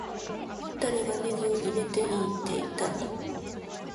誰がネギを入れていいって言ったんだ